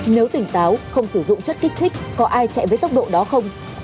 nếu tỉnh táo không sử dụng chất kích thích có ai chạy với tốc độ đó không